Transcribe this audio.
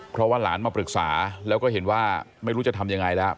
เพราะว่าหลานมาปรึกษาแล้วก็เห็นว่าไม่รู้จะทำยังไงแล้ว